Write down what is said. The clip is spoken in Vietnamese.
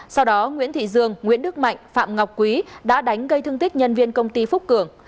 sau đó nguyễn thị dương nguyễn đức mạnh phạm ngọc quý đã đánh gây thương tích nhân viên công ty phúc cường